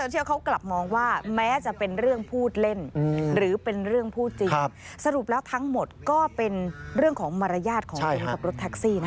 แต่คนในโลกเซอร์เชียล